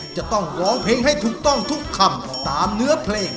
จะต้องร้องเพลงให้ถูกต้องทุกคำตามเนื้อเพลง